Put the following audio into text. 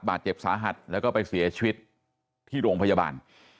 บาดเจ็บสาหัสแล้วก็ไปเสียชีวิตที่โรงพยาบาล